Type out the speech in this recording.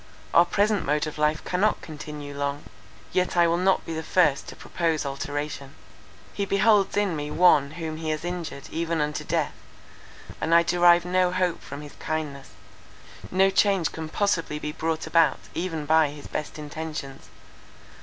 our present mode of life cannot continue long, yet I will not be the first to propose alteration. He beholds in me one whom he has injured even unto death; and I derive no hope from his kindness; no change can possibly be brought about even by his best intentions.